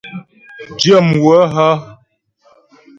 Dyə̂mhwə hə́ ?